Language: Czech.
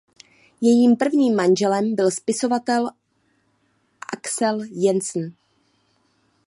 Jejím prvním manželem byl spisovatel Axel Jensen.